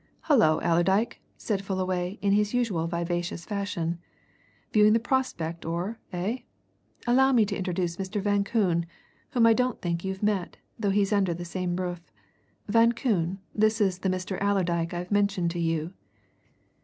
"Hullo, Allerdyke!" said Fullaway in his usual vivacious fashion. "Viewing the prospect o'er, eh? Allow me to introduce Mr. Van Koon, whom I don't think you've met, though he's under the same roof. Van Koon, this is the Mr. Allerdyke I've mentioned to you."